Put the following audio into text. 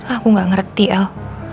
aku gak ngerti el